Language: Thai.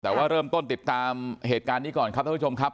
แต่ว่าเริ่มต้นติดตามเหตุการณ์นี้ก่อนครับท่านผู้ชมครับ